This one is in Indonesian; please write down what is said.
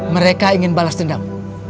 mereka ingin balas dendam